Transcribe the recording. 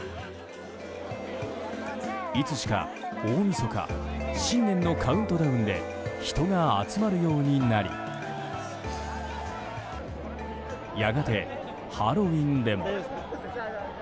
いつしか大みそか新年のカウントダウンで人が集まるようになりやがてハロウィーンでも。